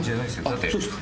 だって。